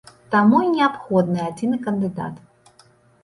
Таму і неабходны адзіны кандыдат.